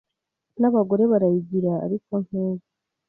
n’abagore barayigira ariko nkeya